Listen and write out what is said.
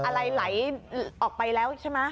อะไรไหลออกไปแล้วใช่ไหม